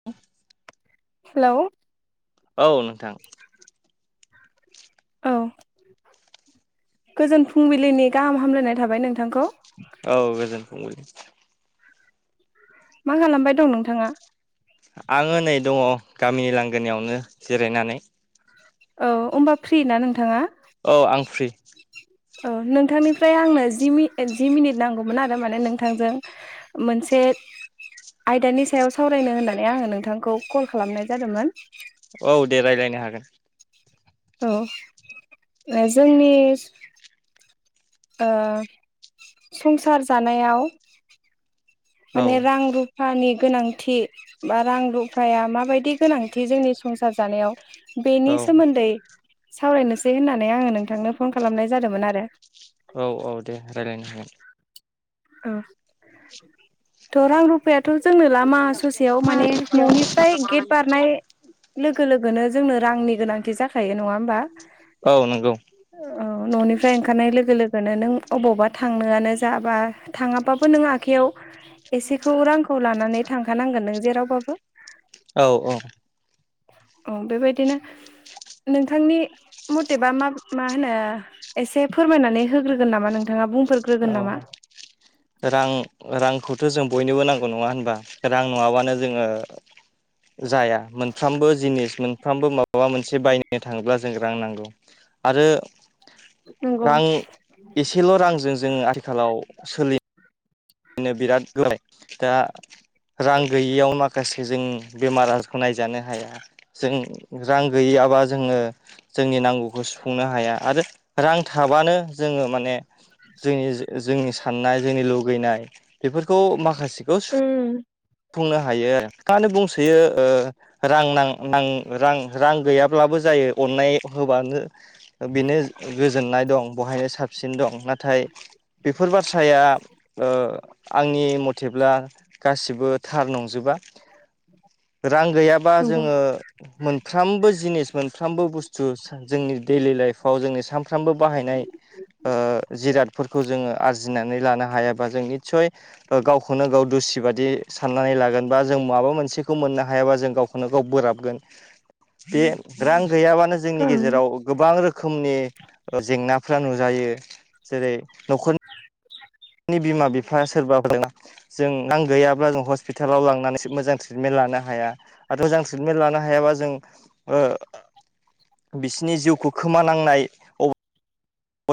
[unintelligible] Hello औ नोंथां [unintelligible] औ गोजोन फुंबिलिनि गाहाम हामलायनाय थाबाय नोंथांखौ औ गोजोनथुंबाय मा खालामबाय दं नोंथाङा आं नै दङ गामिनि लांगोनायावनो जिरायनानै औ होनबा फ्रि ना नोंथाङा औ आं फ्रि औ नोंथांनिफ्राय आंनो जि जि मिनिट नांगौमोन आरो माने नोंथांजों मोनसे आयदानि सायाव सावरायनो होननानै आङो नोंथांखौ कल खालामनाय जादोंमोन औ दे रायज्लायनो हागोन औ जोंनि संसार जानायाव औ माने रां रुप रुफानि गोनांथि बा रां रुफाया माबायदि गोनांथि जोंनि संसार जानायाव औ बेनि सोमोन्दै सावरायनोसै होननानै आङो नोंथांनो फन खालामनाय जादोंमोन आरो औ औ दे रायज्लायनो हागोन अ थ' रां रुफायाथ' जोंनो लामा ससेयाव माने न'निफ्राय गेट बारनाय लोगो लोगोनो जोंनो रांनि गोनांथि जाखायो नङा होमबा औ नंगौ औ न'निफ्राय ओंखारनाय लोगो लोगोनो नों अबावबा थांनोआनो जाबा थाङाबाबो नों आखाइयाव एसेखौ रांखौ लानानै थांखानांगोन नों जेरावबाबो औ औ औ बेबायदिनो नोंथांनि मथेबा मा मा होनो एसे फोरमायनानै होग्रोगोन नामा नोंथाङा बुंफोर औ रां रांखौथ' जों बयनोबो नांगौ नङा होनबा रां नङाबानो जोङो जाया मोनफ्रोमबो जिनिस मोनफ्रामबो माबा मोनसे बायनो थाङोब्ला जों रां नांगौ आरो नंगौ रां एसेल' रांजों जोङो आथिखालाव सोलिनो नो बिरादलाय दा रां गैयियाव माखासे जों बेमार आजारखौ नायजानो हाया जों रां गैयियाबा जोङो जोंनि नांगौखौ सुफुंनो हाया आरो रां थाबानो जोङो माने जोंनि जोंनि साननाय जोंनि लुगैनाय बेफोरखौ माखासे उम खौफुंनो हायो माानो बुंसोयो ओ रांना रां रां गैयाब्लाबो जायो अननाय होबानो बेनो गो जोननाय दं बवहायनो साबसिन दं नाथाय बेफोर बाथ्राया ओ आंनि मथेब्ला गासिबो थार नंजोबा। रां गैयाबा नंगौ जोङो मोनफ्रामबो जिनिस मोनफ्रोमबो बुस्थु जोंनि दैडलि लाइफआव जोंनि सान सारफ्रामबो बाहायनाय ओ जिरादफोरखौ जोङो आरजिनानै लानो हायाबा जोंनि सय गावखौनो गाव दुसि बादि साननानै लागोन बा जों माबा मोनसेखौ मोननो हायाबा जों गावखौ नो गाव बोराबगोन बे रां गैयाबानो जों जोंनि ओं गेजेराव गोबां रोखोमनि जेंनाफ्रा नुजायो जेरै न'खरनि बिमा बिफाया सोरबाफोरजों जों रां गैयाब्ला जों हस्पिटालाव लांनानै मोजां ट्रिटमेन्ट लानो हाया। आरो मोजां ट्रिटमेन्ट लानो हायाबा जों ओ बिसिनि जिउखौ खोमानांनाय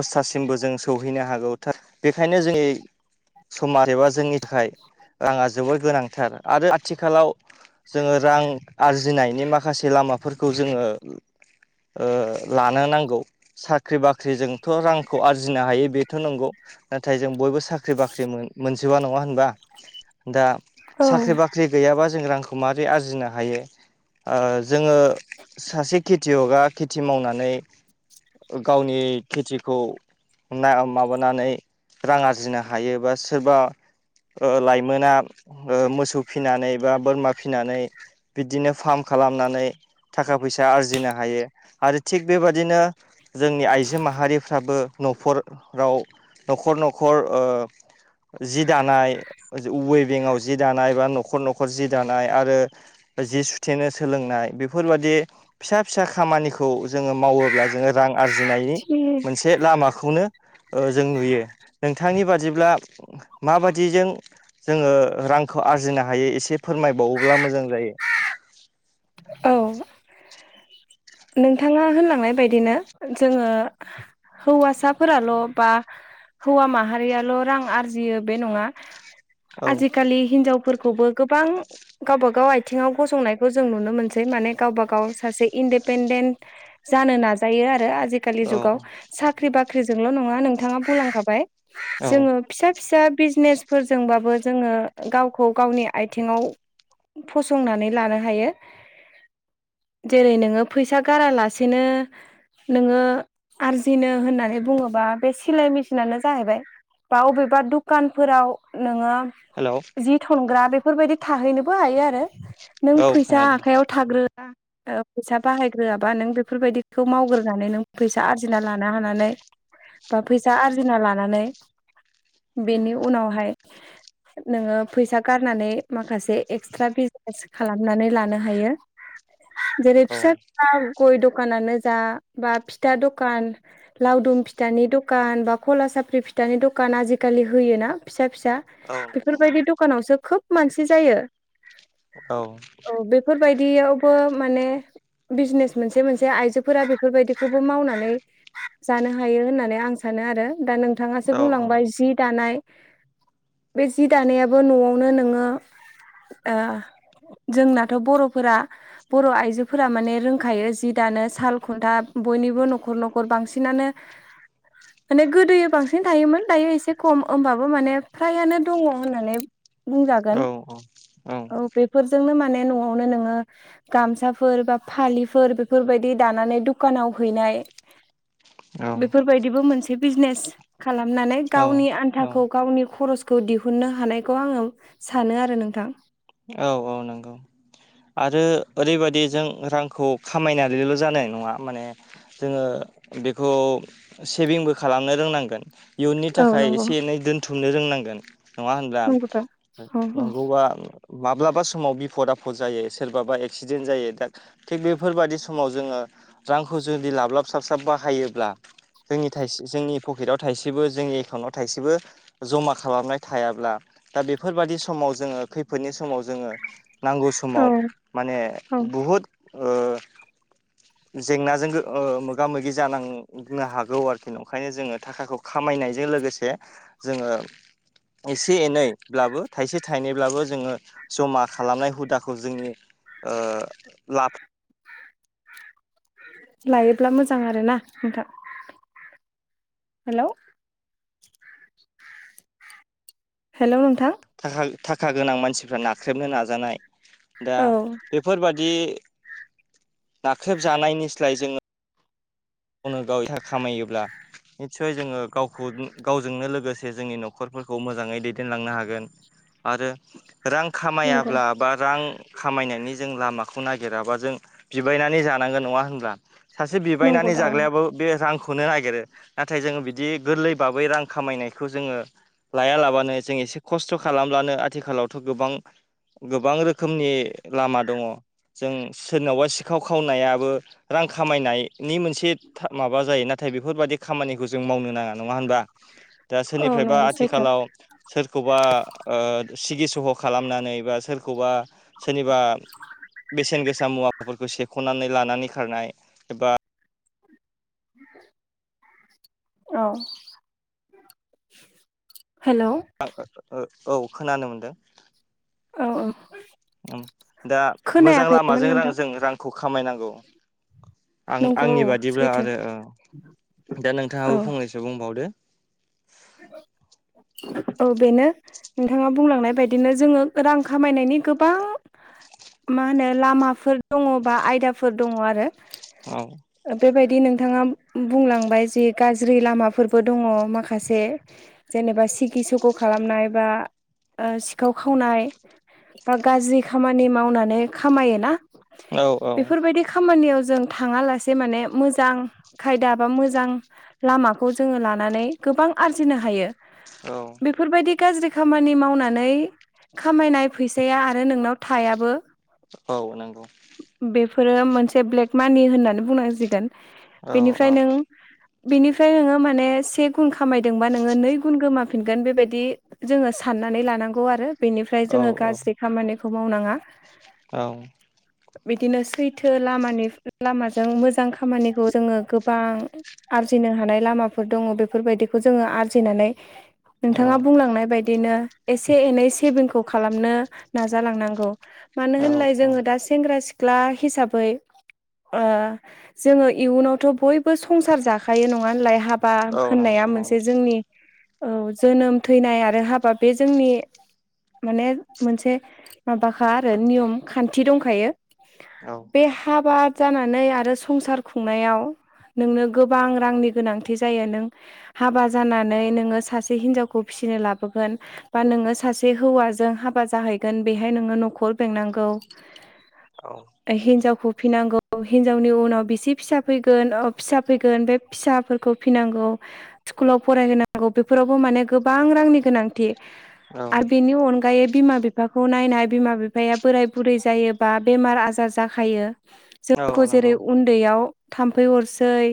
अस्थासिमबो जों सौहैनो हागौार बेखायनो जोंनि समाज एबा जोंनि थाखाय राङा जोबोर गोनांथार आरो आथिखालाव जोङो रां आरजिनायनि माखासे लामाफोरखौ जोङो ओ लानो नांगौ साख्रि बाख्रिजों थ' रांखौ आरजिनो हायो बेथ' नंगौ। नाथाय जों बयबो साख्रि बाख्रि मोनजोबा नङा होनबा दा औ साख्रि बाख्रि गैयाबा जों रांखौ माबारै आरजिनो हायो। ओ जोङो सासे खेथियगआ खेथि मावनानै गावनि खेथिखौ ना माबानानै रां आरजिनो हायो बा सोरबा ओ लाइमोना ओ मोसौ फिनानै बा बोरमा फिनानै बिदिनो फार्म खालामनानै थाखा फैसा आरजिनो हायो। आरो थिग बेबादिनो जोंनि आइजो माहारिफ्राबो न'खराव न'खर न'खर ओ जि दानाय वेबिंआव जि दानाय बा न'खर न'खर जि दानाय आरो जि सुथेनो सोलोंनाय बेफोरबादि फिसा फिसा खामानिखौ जोङो मावोब्ला जोङो रां आरजिनाय [unintelligible] [inaudible] बे लामाखौनो ओ जों नुयो नोंथांनि बादिब्ला माबादिजों जोङो रांखौ आरजिनो हायो एसे फोरमायबावोब्ला मोजां जायो? औ नोंथाङा होनलांनाय बायदिनो जोङो हौवासाफोराल' बा हौवा माहारियाल' रां आरजियो बे नङा औ आजिखालि हिनजावफोरखौबो गोबां गावबा गाव आथिङाव गसंनायखौ जों नुनो मोनसै माने गावबा गाव सासे इनडे दिपेनडेन्ट जानो नाजायो आरो आजिखालि औ जुगाव साख्रि बाख्रिजोंल' नङा नोंथाङा बुंलांखाबाय औ जोङो फिसा फिसा बिजनेस फोरजोंबाबो जोङो गावखौ गावनि आथिङाव फसंनानै लानो हायो जेरै नोङो फैसा गारालासेनो नोङो आरजिनो होननानै बुङोबा बे सिलाय मेसिनानो जाहैबाय। बा अबेबा दुखानफोराव नोङो हेल' जि थनग्रा बेफोरबायदि थाहैनोबो हायो आरो नों औ फैसा खोनादों आखायाव थाग्रो फैसा बाहायग्रोआबा नों बेफोरबायदिखौ मावग्रोनानै नों फैसा आरजिना लानो हानानै बा फैसा आरजिना लानानै बेनि उनावहाय नोङो फैसा गारनानै माखासे एक्सट्रा बिजनेस खालामनानै लानो हायो जेरै औ फिसा बा गय दखानानो जा बा फिथा दखान लावदुम फिथानि दखान बा खला साफ्रि फिथानि दखान आजिखालि होयोना फिसा फिसा औ नंगौ बेफोरबायदि दखानावसो खोब मानसि जायो। औ बेफोरबायदियावबो माने बिजनेस मोनसे मोनसे आइजोफोरा बेफोरबायदिखौबो मावनानै जानो हायो होननानै आं सानो आरो दा नोंथाङासो औ बुंलांबाय जि दानाय बे जि दानायाबो न'आवनो नोङो ओ जोंनाथ' बर'फोरा बर' आइजोफोरा माने रोंखायो जि दानो साल खुन्था बयनिबो न'खर न'खर बांसिनानो माने गोदोयो बांसिन थायोमोन दायो एसे खम होमबाबो माने फ्रायानो दङ होननानै बुंजागोन अ औ औ बेफोरजोंनो माने न'आवनो नोङो गामसाफोर बा फालिफोर बेफोरबायदि दानानै दुखानाव हैनाय बेफोरबायदिबो मोनसे बिजनेस खालामनानै गावनि आन्थाखौ औ गावनि खरस खौ दिहुननो हानायखौ आङो सानो आरो नोंथां। औ औ नंगौ। आरो ओरैबादि जों रांखौ खामायनानैल' जानाय नङा माने जोङो बेखौ सेभिंबो खालामनो रोंनांगोन। इयुननि औ थाखाय नंगौ एसे एनै दोनथुमनो रोंनांगोन नङा होनब्ला? नंगौथ' औ नंगौबा माब्लाबा समाव बिफद आफद जायो सोरबाबा एक्सिडेन्ट जायो दा थिग बेफोरबायदि समाव जोङो रांखौ जुदि लाब्लाब साबस्राब बाहायोब्ला जोंनि थाइसे जोंनि पकेटआव थाइसेबो जोंनि एकाउन्टआव थाइसेबो जमा खालामनाय थायाब्ला दा बेफोरबायादि समाव जोङो खैफोद बेफोरोनि समाव जोङो नांगौ औ समाव माने औ बुहुद ओ जेंनाजों मोगा मोगि जानां नो हागौ आरोखि ओंखायनो जोङो थाखाखौ खामायनायजों लोगोसे जोङो एसे एनैब्लाबो थाइसे थाइनैब्लाबो ज जमा खालामनाय हुदखौ जोंनि ओ लाब लायोब्ला मोजां आरो ना नोंथां। हेल'? हेल' नोंथां? थाखा थाखा गोनां मानसिफ्रा नाख्रेबनो नाजानाय दा औ बेफोरबादि नाख्रेब जानायनिस्लाय जोङो गावनो गाव एहा खामायोब्ला निसय जोङो गावखौ गावजोंनो लोगोसे जोंनि न'खरफोरखौ मोजाङै दैदेनलांनो हागोन। आरो रां नंगौ खामायाब्ला बा रां खामायनायनि जों लामाखौ नागिराबा जों बिबायनानै जानांगौ नङा होनब्ला? सासे नंगौ बिबायनानै दा जा औ बे रांखौनो नागिरो नाथाय जोङो बिदि गोरलै बाबै रां खामायनायखौ जोङो लाया लाबानो जों एसे खस्थ' खालामब्लानो आथिखालावथ' गोबां गोबां रोखोमनि लामा दङ। जों सोरनावबा सिखाव खावनायाबो रां खामायनायनि मोनसे माबा जायो नाथाय बेफोरबाददि खामानिखौ जों मावनो नाङा नङा होनबा? दा औ सोरनिफ्रायबा नंगौ सैथो आथिखालाव सोरखौबा ओ सिगि सग' खालामनानै बा सोरखौबा सोरनिबा बेसेन गोसा मुवाफोरखौ सेख'नानै लानानै खारनाय एबा औ। हेल' औ खोनानो मोनदों। औ औ दा मोजां खोनायाखैमोन लामाजों र नोंथां जों रां खौ खामायनांगौ। आं नंगौ आंनि औ बादिब्ला सैथो आरो दा औ नोंथाङाबो फंनैसो बुंबावदो। औ बेनो नोंथाङा बुंलांनाय बायदिनो। जोङो रां खामायनायनि गोबां मा होनो लामाफोर दङ बा आयदाफोर दङ आरो। औ। बेबायदि नोंथाङा बुंलांबाय जे गाज्रि लामाफोरबो दङ माखासे जेनेबा सिगि सुख' खालामनाय बा सिखाव खावनाय। बा गाज्रि खामानि मावनानै खामायोना। औ औ बेफोरबायदि खामानियाव जों थाङा लासे जे माने मोजां खायदा बा मोजां लामाखौ जोङो लानानै गोबां आरजिनो हायो। औ। बेफोरबायदि गाज्रि खामानि मावनानै खामायनाय फैसाया आरो नोंनाव थायाबो। औ नंगौ। बेफोरो मोनसे ब्लेक मानि होननानै बुंनांसिगोन। औ औ बेनिफ्राय नों बिनिफ्राय नोङो माने से गुन खामायदोंबा नोङो नै गुन गोमाफिनगोन बेबायदि जोङो साननानै लानांगौ आरो बेनिफ्राय औ जोङो गाज्रि खामानिखौ मावनाङा। औ। बिदिनो सैथो लामानि लामाजों जों मोजां खामानिखौ जोङो गोबां आरजिनो हानाय लामाफोर दङ बेफोरबायदिखौ जोङो आरजिनानै नोंथाङा बुंलांनाय बायदिनो एसे एनै सेभिंखौ खालामनो नाजालांनांगौ। मानो औ होनलाय जोङो दा सेंग्रा सिख्ला हिसाबै ओ जोङो इयुनावथ बयबो संसार जाखायो नङा होनलाय हाब बा औ नंगौ होननाया नंगौ मोनसे जोंनि औ जोनोम थैनाय आरो हाबा बे जोंनि माने मोनसे माबाखा आरो नियम खान्थि दंखायो। औ। बे हाबाद जानानै आरो संसार खुंनायाव नोंनो गोबां रांनि गोनांथि जायो नों हाबा जानानै नोङो सासे हिनजावखौ फिसिनो लाबोगोन। बा नोङो सासे हौवाजों हाबा जाहैगोन बेहाय नोङो नखर बेंनांगौ औ। हिनजावखौ फिनांगौ हिनजावनि उनाव बेसे फिसा फैगोन ओ फिसा फैगोन बे फिसाफोरखौ फिनांगौ। स्कुलाव फरायहोनांगौ बेफोरावबो माने गोबां रांनि गोनांथि आरो औ बिनि अनगायै बिमा बि फाखौ नायनाय बिमा बिफाया बोराय बुरै जायोबा बेमार आजार जाखायो। औ खौ जेरै नंगौ उन्दैयाव थाम्फै अरसै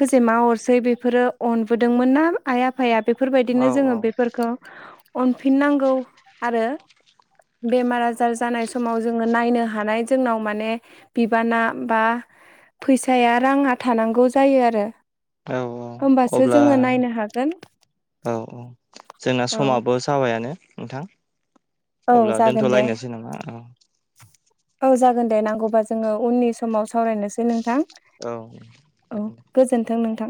खोजोमा अरसै बेफोरो अनबोदोंमोन ना आइ आफाया बेफोरबायदिनो औ जोङो औ बेफोरखौ अनफिननांगौ आरो बेमार आजार जानाय समाव जोङो नायनो हानाय जोंनाव माने बिबाना बा फैसाया राङा थानांगौ जायो आरो। औ औ होमबासो अब्ला जोङो नायनो हागोन औ औ जोंना औ समाबो थाबायानो नोंथां औ अब्ला जागोन दे दोनथलायनोसै नामा? औ। औ जागोन दे नांगौबा जोङो उननि समाव सावरायनोसै नोंथां। औ जागोन दे। दोनथों नोंथां।